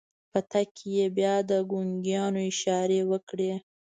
په تګ کې يې بيا د ګونګيانو اشارې وکړې.